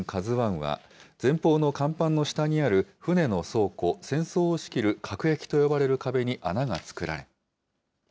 ＫＡＺＵＩは、前方の甲板の下にある船の倉庫・船倉を仕切る隔壁と呼ばれる壁に穴が作られ。